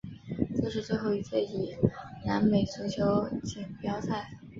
这是最后一届以南美足球锦标赛。